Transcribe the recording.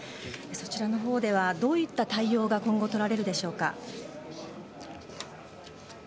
そちらのほうではどういった対応が今後、とられるでしょうか。